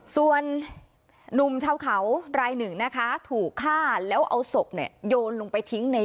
ส่วนหนุ่มชาวเขารายหนึ่งนะคะถูกฆ่าแล้วเอาศพเนี่ยโยนลงไปทิ้งใน